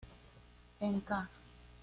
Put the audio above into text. En ca.